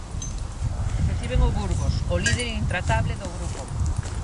Reciben o Burgos, o líder intratable do grupo.